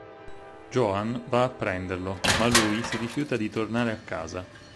Joan va a prenderlo, ma lui si rifiuta di tornare a casa.